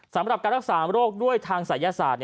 สำหรับการรักษาโรคด้วยทางศัยศาสตร์